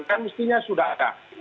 kan mestinya sudah ada